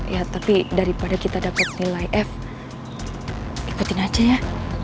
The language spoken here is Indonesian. ya tapi daripada kita dapat nilai f ikutin aja ya